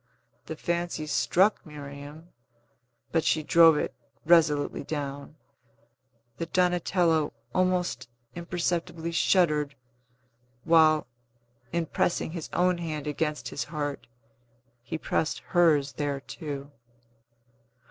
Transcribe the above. The fancy struck Miriam (but she drove it resolutely down) that Donatello almost imperceptibly shuddered, while, in pressing his own hand against his heart, he pressed hers there too.